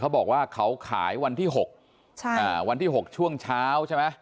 บอกว่าเขาขายวันที่๖วันที่๖ช่วงเช้าใช่ไหม